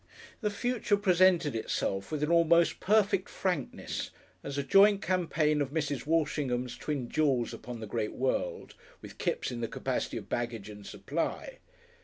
The future presented itself with an almost perfect frankness as a joint campaign of Mrs. Walshingham's Twin Jewels upon the Great World, with Kipps in the capacity of baggage and supply.